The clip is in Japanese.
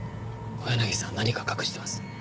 小柳さん何か隠しています。